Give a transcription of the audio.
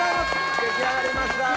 出来上がりました。